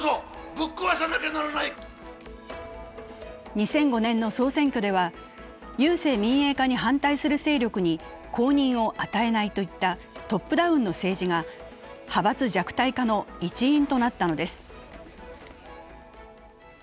２００５年の総選挙では、郵政民営化に反対する勢力に公認を与えないといったトップダウンの政治が派閥弱体化の一因となったのです。